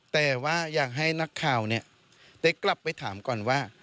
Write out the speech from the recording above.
แต่ว่าอยากให้นักข่าวได้กลับไปถามก่อนว่า